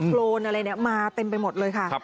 โลนอะไรมาเต็มไปหมดเลยค่ะ